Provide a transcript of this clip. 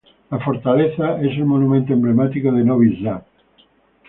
La fortaleza es el monumento emblemático de Novi Sad.